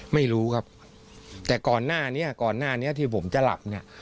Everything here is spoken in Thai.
ไม่รู้ครับแต่ก่อนหน้านี้ที่ผมจะหลับเนี่ย